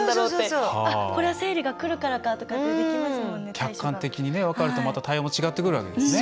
客観的に分かるとまた対応も違ってくるわけですね。